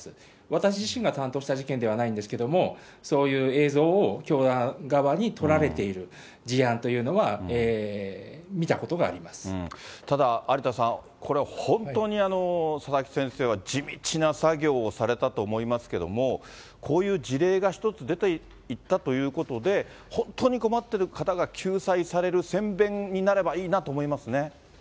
私自身が担当した事件ではないんですけれども、そういう映像を教団側に撮られている事案というのは、見たことがただ、有田さん、これ、本当に佐々木先生は地道な作業をされたと思いますけれども、こういう事例が一つ出ていったということで、本当に困ってる方が救済される先べんになればいいなと思いますね。